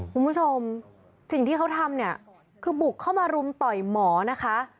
คุณผู้ชมสิ่งที่เขาทำเนี่ยคือบุกเข้ามารุมต่อยหมอนะคะ